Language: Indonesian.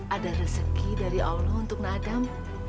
ada rezeki dari allah untuk nadam